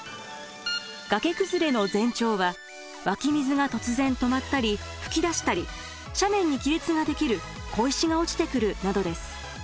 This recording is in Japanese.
がけ崩れの前兆は湧き水が突然止まったり吹き出したり斜面に亀裂ができる小石が落ちてくるなどです。